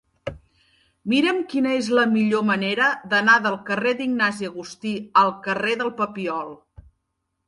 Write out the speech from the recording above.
Mira'm quina és la millor manera d'anar del carrer d'Ignasi Agustí al carrer del Papiol.